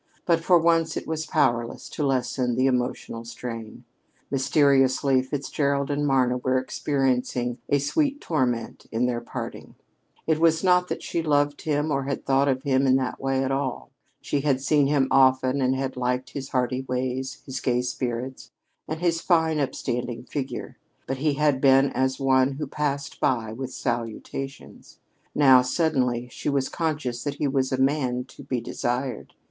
But for once it was powerless to lessen the emotional strain. Mysteriously, Fitzgerald and Marna were experiencing a sweet torment in their parting. It was not that she loved him or had thought of him in that way at all. She had seen him often and had liked his hearty ways, his gay spirits, and his fine upstanding figure, but he had been as one who passed by with salutations. Now, suddenly, she was conscious that he was a man to be desired.